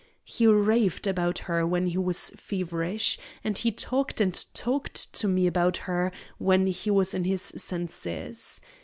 He raved about her when he was feverish, and he talked and talked to me about her when he was in his senses.